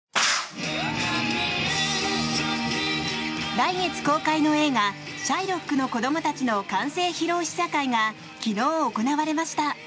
来月公開の映画「シャイロックの子供たち」の完成披露試写会が昨日、行われました。